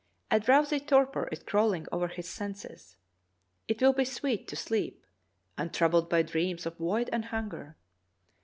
A drowsy torpor is crawling over his senses. It will be sweet to sleep, untroubled by dreams of void and hunger.